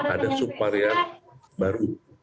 ada subpar yang baru